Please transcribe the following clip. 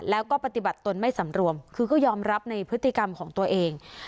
แล้วก็ปฏิบัติตนไม่สำรวมคือก็ยอมรับในพฤติกรรมของตัวเอง